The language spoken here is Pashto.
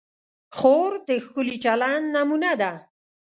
خور د ښکلي چلند نمونه ده.